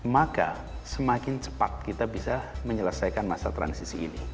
maka semakin cepat kita bisa menyelesaikan masa transisi ini